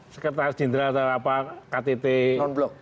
sekretaris jenderal atau apa ktt non blok